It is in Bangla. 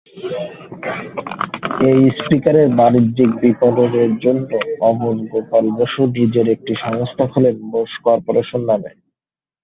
এই স্পিকারের বাণিজ্যিক বিপণনের জন্য অমর গোপাল বসু নিজের একটি সংস্থা খোলেন ‘বোস কর্পোরেশন’ নামে।